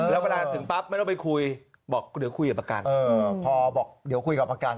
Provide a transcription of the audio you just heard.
แล้วเวลาถึงปั๊บไม่ต้องไปคุยมันก็คุยกับประกัน